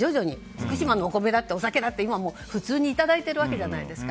福島のお米だって、お酒だって今は普通にいただいているわけじゃないですか。